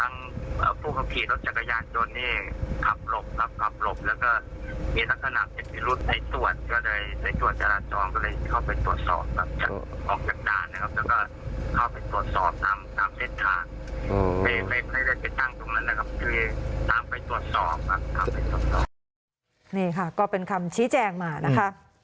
นี่ค่ะก็เป็นคำชี้แจงมานะคะ